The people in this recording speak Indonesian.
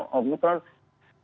yang nomor satu berapa